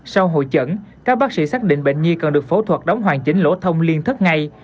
sau hội chẩn các bác sĩ xác định bệnh nhi cần được phổ thuật đóng hoàn chỉnh lỗ thông liên thức ngày